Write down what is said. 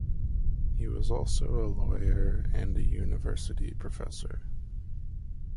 He was also a lawyer and a university professor.